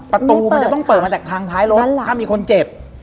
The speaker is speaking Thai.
ประตูมันจะต้องเปิดมาจากทางท้ายรถถ้ามีคนเจ็บ